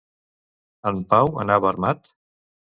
En Pau anava armat?